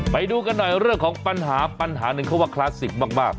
ไปดูกันหน่อยเรื่องของปัญหาปัญหาหนึ่งเขาว่าคลาสสิกมาก